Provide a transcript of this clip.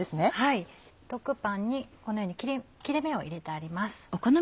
パンにこのように切れ目を入れてあります。